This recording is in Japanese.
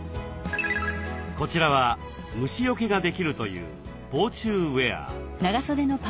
こちらは虫よけができるという防虫ウエア。